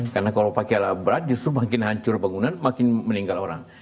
karena kalau pakai alat berat justru makin hancur bangunan makin meninggal orang